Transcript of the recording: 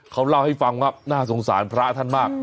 เขาเล่าให้ฟังว่าน่าสงสารพระท่านมาก